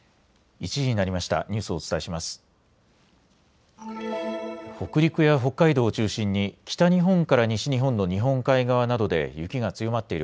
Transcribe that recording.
１時になりました。